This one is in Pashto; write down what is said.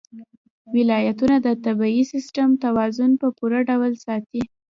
ولایتونه د طبعي سیسټم توازن په پوره ډول ساتي.